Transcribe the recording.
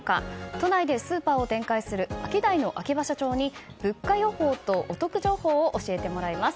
都内でスーパーを展開するアキダイの秋葉社長に物価予報とお得情報を教えてもらいます。